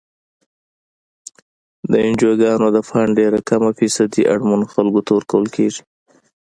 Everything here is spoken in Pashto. د انجوګانو د فنډ ډیره کمه فیصدي اړمنو خلکو ته ورکول کیږي.